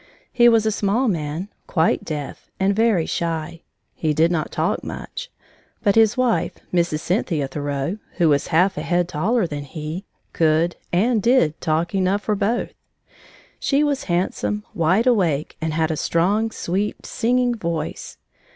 He was a small man, quite deaf, and very shy. He did not talk much. But his wife, Mrs. Cynthia Thoreau, who was half a head taller than he, could, and did, talk enough for both. She was handsome, wide awake, and had a strong, sweet, singing voice.